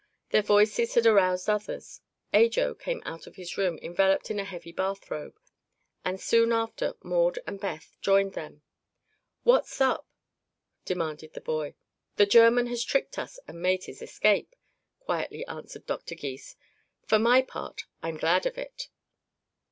Their voices had aroused others. Ajo came out of his room, enveloped in a heavy bathrobe, and soon after Maud and Beth joined them. "What's up?" demanded the boy. "The German has tricked us and made his escape," quietly answered Dr. Gys. "For my part, I'm glad of it."